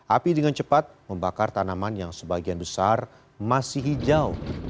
api dengan cepat membakar tanaman yang sebagian besar masih hijau